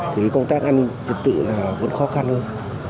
thì công tác an ninh trật tự là vẫn khó khăn hơn